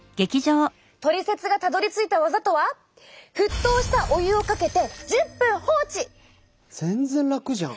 トリセツがたどりついた技とは全然楽じゃん。